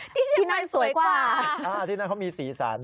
ที่นั้นอ่ะที่นั้นเขามีสีสัตว์นะ